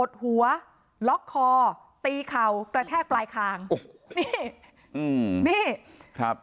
แต่จังหวะที่ผ่านหน้าบ้านของผู้หญิงคู่กรณีเห็นว่ามีรถจอดขวางทางจนรถผ่านเข้าออกลำบาก